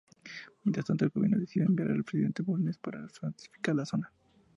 Mientras tanto, el gobierno decidió enviar al expresidente Bulnes para pacificar la zona.